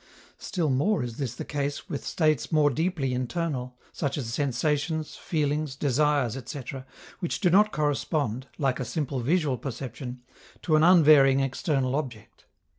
Still more is this the case with states more deeply internal, such as sensations, feelings, desires, etc., which do not correspond, like a simple visual perception, to an unvarying external object.